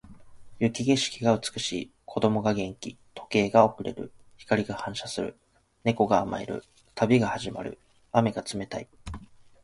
雪景色が美しい。子供が元気。時計が遅れる。光が反射する。猫が甘える。旅が始まる。雨が冷たい。